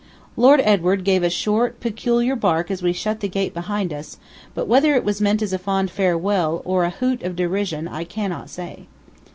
Lord Edward gave a short, peculiar bark as we shut the gate behind us, but whether it was meant as a fond farewell, or a hoot of derision, I cannot say.